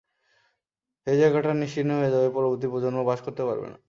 এই জায়গাটা নিশ্চিহ্ন হয়ে যাবে পরবর্তী প্রজন্ম বাস করতেও পারবে না।